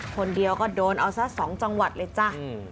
คนเดียวก็โดนเอาซะ๒จังหวัดเลยจ้ะ